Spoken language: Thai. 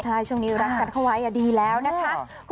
ใช่ช่วงนี้รักกันเข้าไว้ดีแล้วนะคะ